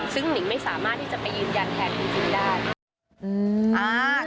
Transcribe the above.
ซึ่งหนิงไม่สามารถที่จะไปยืนยันแทนจริงได้